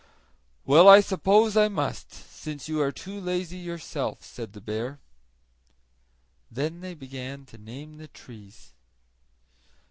"Well, I suppose I must, since you are too lazy yourself," said the bear. Then they began to name the trees.